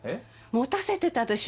持たせてたでしょ。